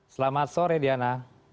selamat sore diana